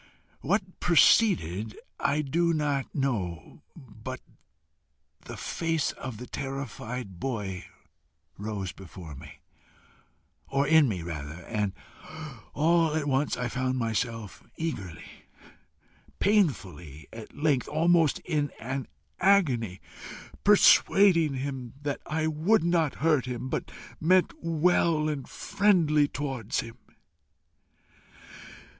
What preceded I do not know, but the face of the terrified boy rose before me, or in me rather, and all at once I found myself eagerly, painfully, at length almost in an agony, persuading him that I would not hurt him, but meant well and friendlily towards him.